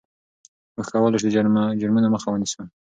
موږ کولای شو د جرمونو مخه ونیسو.